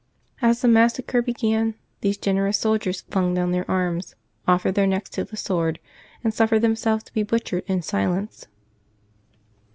As the massacre began, these generous soldiers flung down their arms, offered their necks to the sword, and suffered themselves to be butchered in silence.